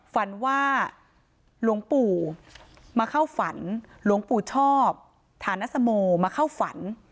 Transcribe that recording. ฝันว่าหลวงปู่มาเข้าฝันหลวงปู่ชอบฐานสโมมาเข้าฝัน